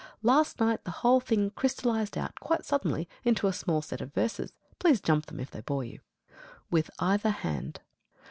Last night the whole thing crystallised out quite suddenly into a small set of verses. Please jump them if they bore you. WITH EITHER HAND.